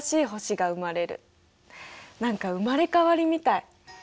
何か生まれ変わりみたい。